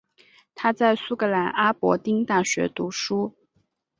他在苏格兰阿伯丁大学读书。